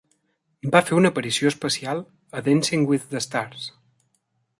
Va fer una aparició especial a "Dancing With The Stars".